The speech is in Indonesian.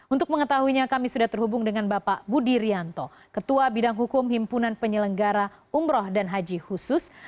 untuk mengetahuinya kami sudah terhubung dengan bapak budi rianto ketua bidang hukum himpunan penyelenggara umroh dan haji khusus